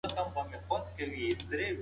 دا ستونزه په ګډه همکارۍ سره حل کېږي.